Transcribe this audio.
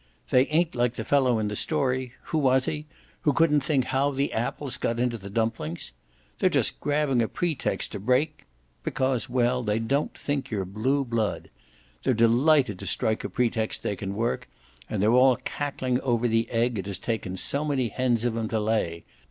They ain't like the fellow in the story who was he? who couldn't think how the apples got into the dumplings. They're just grabbing a pretext to break because because, well, they don't think you're blue blood. They're delighted to strike a pretext they can work, and they're all cackling over the egg it has taken so many hens of 'em to lay.